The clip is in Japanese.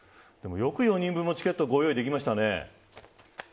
よく４人分もチケットを用意できましたね。